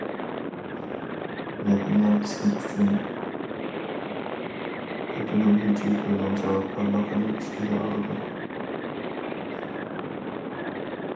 يەتمىگەن قىسمى ئۈچۈن ئۆتۈنۈلگۈچى تۆلەم جاۋابكارلىقىنى ئۈستىگە ئالىدۇ.